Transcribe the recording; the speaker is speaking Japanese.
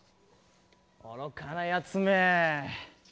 おろかなやつめ。